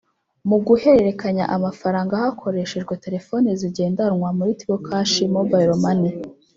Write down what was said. mu guhererekanya amafaranga hakoreshejwe telefoni zigendanwa Muri Tigo cash Mobile money